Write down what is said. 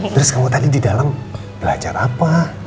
terus kamu tadi didalam belajar apa